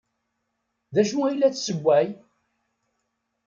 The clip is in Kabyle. D acu ay la tessewway?